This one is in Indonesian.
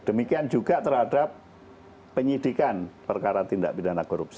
demikian juga terhadap penyidikan perkara tindak pidana korupsi